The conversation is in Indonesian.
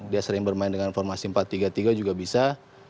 dia sering bermain dengan formasi empat tiga tiga juga bisa